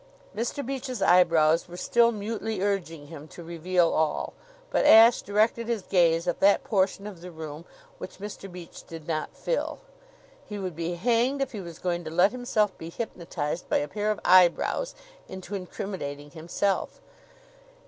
Mr. Beach's eyebrows were still mutely urging him to reveal all, but Ashe directed his gaze at that portion of the room which Mr. Beach did not fill. He would be hanged if he was going to let himself be hypnotized by a pair of eyebrows into incriminating himself!